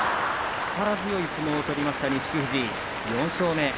力強い相撲を取りました錦富士４勝目。